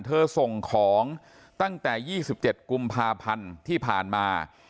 ส่งของตั้งแต่๒๗กุมภาพันธ์ที่ผ่านมา